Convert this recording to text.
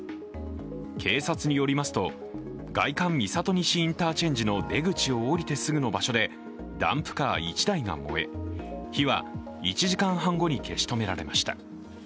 警察によりますと、外環三郷西インターチェンジの出口を降りてすぐの場所でダンプカー１台が燃え、火は１時間半後に消し止められました。